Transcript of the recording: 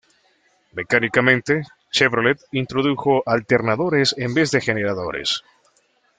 Mecánicamente, Chevrolet introdujo alternadores en vez de generadores.